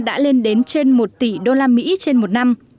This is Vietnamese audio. đã lên đến trên một tỷ usd trên một năm